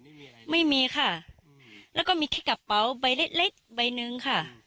ไม่มีอะไรไม่มีค่ะแล้วก็มีแค่กระเป๋าใบเล็กเล็กใบหนึ่งค่ะ